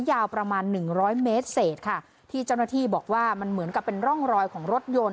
ยาวประมาณหนึ่งร้อยเมตรเศษค่ะที่เจ้าหน้าที่บอกว่ามันเหมือนกับเป็นร่องรอยของรถยนต์